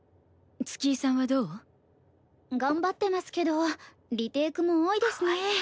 月居さんはどう？頑張ってますけどリテイクも多いですね。